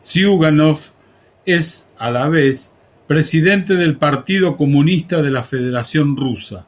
Ziugánov es, a la vez, presidente del Partido Comunista de la Federación Rusa.